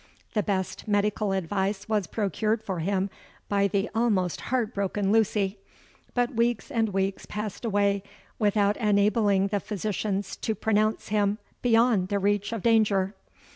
The best medical advice was procured for him by the almost heart broken Lucy; but weeks and weeks passed away without enabling the physicians to pronounce him beyond the reach of danger.